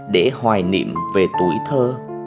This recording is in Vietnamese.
để hoài niệm về tuổi thơ